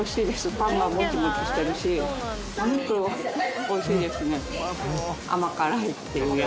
パンがもちもちしてるし、お肉おいしいですね。